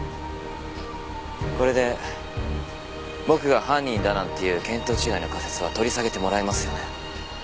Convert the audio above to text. これで僕が犯人だなんていう見当違いの仮説は取り下げてもらえますよね？